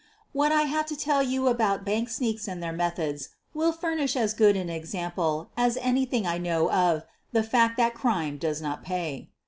What I have to tell you to day about "bank sneaks '' and their methods will furnish as good an example as anything I know of the fact that CRIME DOES NOT PAY.